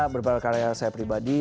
beberapa karya saya pribadi